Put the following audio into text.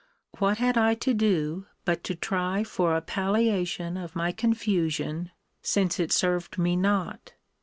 What had I to do but to try for a palliation of my confusion, since it served me not?